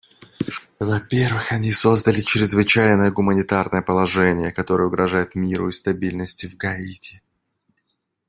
Во-первых, они создали чрезвычайное гуманитарное положение, которое угрожает миру и стабильности в Гаити.